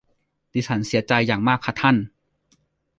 ดิฉันเสียใจอย่างมากค่ะท่าน